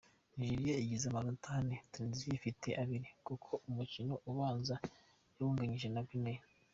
Nigeria igize amanota ane, Tunisia ifite abiri kuko umukino ubanza yawunganyije na Guinea.